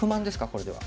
これでは。